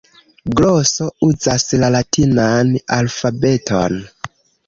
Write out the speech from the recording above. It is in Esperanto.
Gloso uzas la latinan alfabeton.